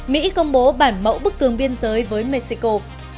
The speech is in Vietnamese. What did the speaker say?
mỹ công bố bản mẫu bức tường biên giới với mexico